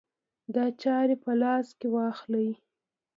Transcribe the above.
د چارې په لاس کې واخلي.